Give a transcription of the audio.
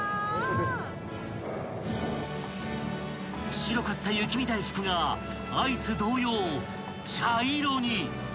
［白かった雪見だいふくがアイス同様茶色に］